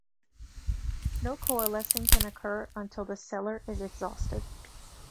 No coalescing can occur until the cellar is exhausted.